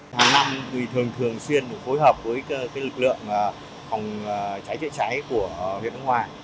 hàng năm thường xuyên phối hợp với lực lượng phòng cháy chữa cháy của huyện ứng hòa